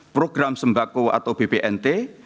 program sembako atau bpnt